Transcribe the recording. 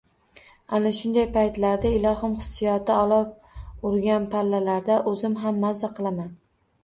Ana shunday paytlarda, ilhom hissiyoti olov urgan pallalarda o‘zim ham mazza qilaman